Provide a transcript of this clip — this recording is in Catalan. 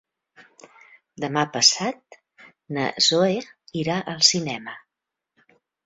Demà passat na Zoè irà al cinema.